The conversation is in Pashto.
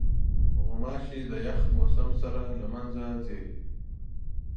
غوماشې د یخ موسم سره له منځه ځي.